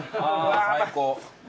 最高。